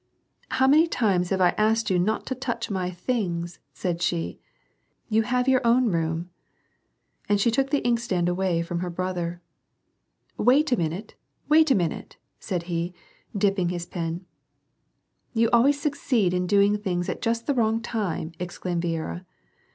" How many ■ times have I asked you not to touch my things," said she, " you have your own room." And she took the inkstand away from her brother. " Wait a minute, wait a minute," said he, dipping his pen, "You always succeed in doing things at just the wrong time," exclaimed Viera.